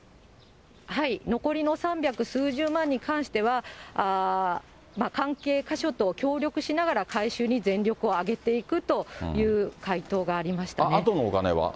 残りの三百数十万に関しては、関係箇所と協力しながら回収に全力を挙げていくという回答がありあとのお金は？